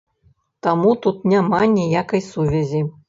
Таму тут няма ніякай сувязі.